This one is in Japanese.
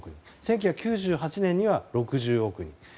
１９９８年には６０億人